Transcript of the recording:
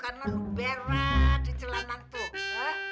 karena lo berat di celana tuh